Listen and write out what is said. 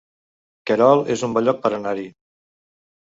Querol es un bon lloc per anar-hi